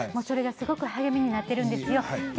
それがすごく励みになっているんですよ。